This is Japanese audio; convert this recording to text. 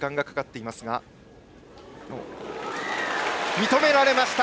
認められました！